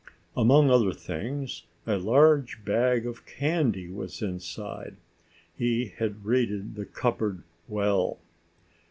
Among other things, a large bag of candy was inside. He had raided the cupboard well.